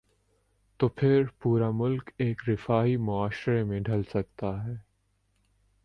تو پھر پورا ملک ایک رفاہی معاشرے میں ڈھل سکتا ہے۔